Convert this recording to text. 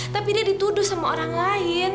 tapi dia dituduh sama orang lain